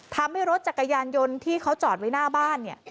ทำให้รถจักรยานยนต์ที่เขาจอดไว้หน้าบ้านเนี่ย